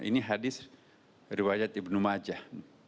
ini hadis riwayat ibnu majah